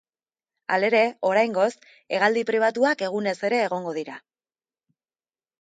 Halere, oraingoz, hegaldi pribatuak egunez ere egongo dira.